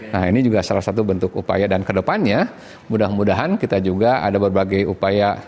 nah ini juga salah satu bentuk upaya dan kedepannya mudah mudahan kita juga ada berbagai upaya